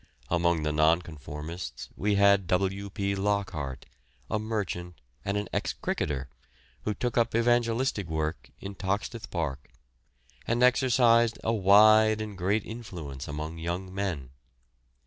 Among the nonconformists we had W. P. Lockart, a merchant and an ex cricketer, who took up evangelistic work in Toxteth Park, and exercised a wide and great influence among young men.